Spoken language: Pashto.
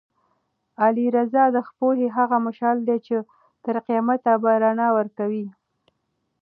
علي رض د پوهې هغه مشعل دی چې تر قیامته به رڼا ورکوي.